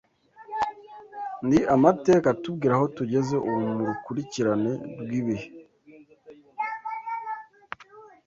ni amateka atubwira aho tugeze ubu mu rukurikirane rw’ibihe